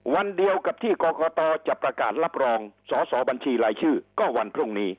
วันเดียวกับที่กรกตจะประกาศรับรองสอสอบัญชีรายชื่อก็วันพรุ่งนี้